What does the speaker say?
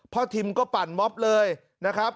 ทิมก็ปั่นม็อบเลยนะครับ